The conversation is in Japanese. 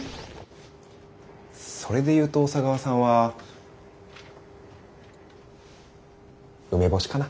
それで言うと小佐川さんは梅干しかな。